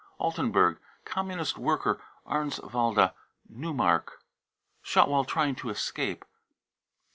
altenburg, Communist worker, Arnswalde, Neumark, I skot " while trying to escape."